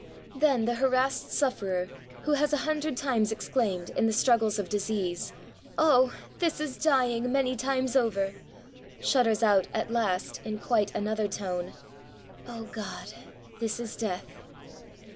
Then the harassed sufferer^ who has a hundred times exclaimed^ in the struggles of disease, " O! this is dying many times over!" shudders out at last, in quite another tone, ''O God! this is death